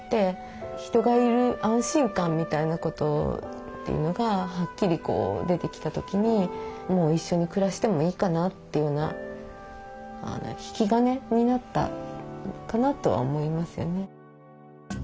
人がいる安心感みたいなことっていうのがはっきり出てきた時にもう一緒に暮らしてもいいかなというような引き金になったかなとは思いますよね。